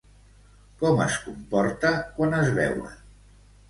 Com es comporta quan es veuen?